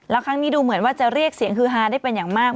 แล้วครั้งนี้ดูเหมือนว่าจะเรียกเสียงฮือฮาได้เป็นอย่างมาก